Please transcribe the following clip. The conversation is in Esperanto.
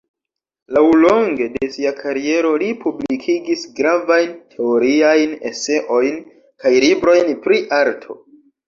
Laŭlonge de sia kariero li publikigis gravajn teoriajn eseojn kaj librojn pri arto.